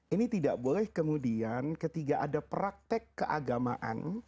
ini tidak boleh kemudian ketika ada praktek keagamaan